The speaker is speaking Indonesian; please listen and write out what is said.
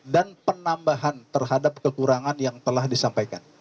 dan penambahan terhadap kekurangan yang telah disampaikan